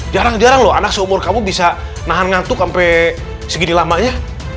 jarang jarang loh anak seumur kamu bisa nahan ngantuk sampai segini lamanya